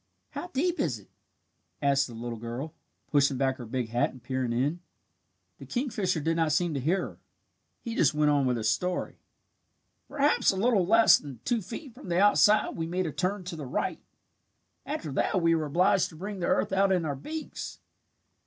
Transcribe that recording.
"How deep is it?" asked the little girl, pushing back her big hat and peering in. The kingfisher did not seem to hear her. He just went on with his story. "Perhaps a little less than two feet from the outside we made a turn to the right. After that we were obliged to bring the earth out in our beaks.